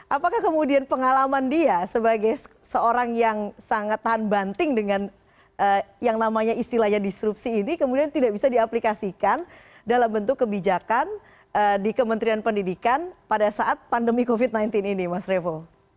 apakah kemudian pengalaman dia sebagai seorang yang sangat tahan banting dengan yang namanya istilahnya disrupsi ini kemudian tidak bisa diaplikasikan dalam bentuk kebijakan di kementerian pendidikan pada saat pandemi covid sembilan belas ini mas revo